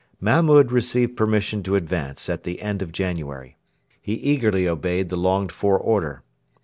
Mahmud received permission to advance at the end of January. He eagerly obeyed the longed for order.